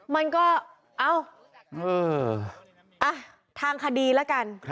มันก็เอ้าทางคดีแล้วกัน